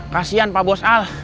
kasian pak bos al